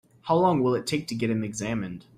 How long will it take to get him examined?